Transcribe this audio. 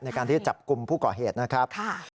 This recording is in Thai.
ในการที่จะจับกลุ่มผู้ก่อเหตุนะครับ